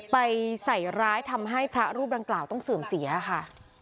ไปใส่ร้ายทำให้พระรูปดังกล่าวต้องเสื่อมเสียค่ะ